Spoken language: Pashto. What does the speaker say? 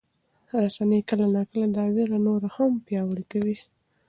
رسنۍ کله ناکله دا ویره نوره هم پیاوړې کوي.